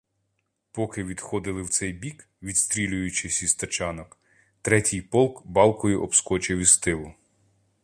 Поки відходили в цей бік, відстрілюючись із тачанок, третій полк балкою обскочив із тилу.